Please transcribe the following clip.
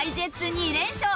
２連勝！